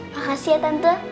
makasih ya tante